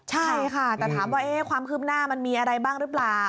ใช่ค่ะแต่ถามว่าความคืบหน้ามันมีอะไรบ้างหรือเปล่า